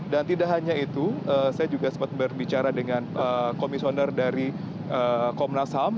dan tidak hanya itu saya juga sempat berbicara dengan komisioner dari komnas ham